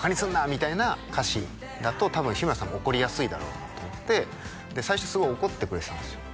みたいな歌詞だと多分日村さんも怒りやすいだろうなと思ってで最初すごい怒ってくれてたんですよ